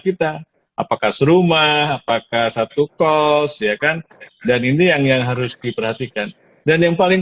kita apakah serumah apakah satu kos ya kan dan ini yang yang harus diperhatikan dan yang paling